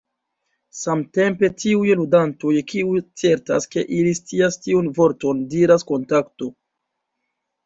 Samtempe tiuj ludantoj kiuj certas ke ili scias tiun vorton diras "Kontakto!